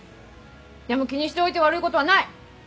でも気にしておいて悪いことはない！